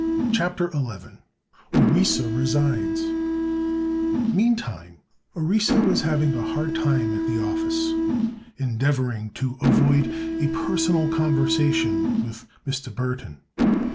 CHAPTER XI ORISSA RESIGNS Meantime Orissa was having a hard time at the office endeavoring to avoid a personal conversation with Mr. Burthon.